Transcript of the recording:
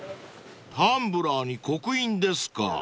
［タンブラーに刻印ですか。